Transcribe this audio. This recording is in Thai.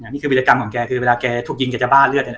นี่คือวิรกรรมของแกคือเวลาแกถูกยิงแกจะบ้าเลือด